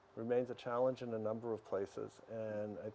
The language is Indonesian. tetap menjadi tantangan di beberapa tempat